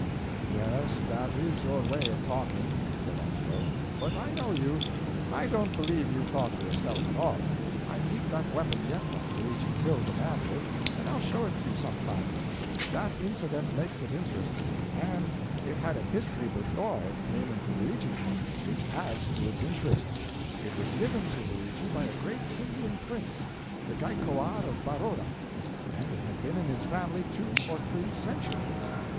"Yes, that is your way of talking," said Angelo, "but I know you I don't believe you thought of yourself at all. I keep that weapon yet that Luigi killed the man with, and I'll show it to you sometime. That incident makes it interesting, and it had a history before it came into Luigi's hands which adds to its interest. It was given to Luigi by a great Indian prince, the Gaikowar of Baroda, and it had been in his family two or three centuries.